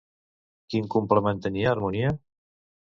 Quin complement tenia Harmonia?